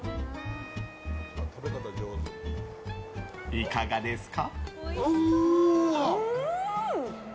いかがですか？